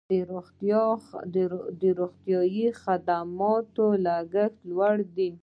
د روغتیايي خدماتو لګښت لوړ دی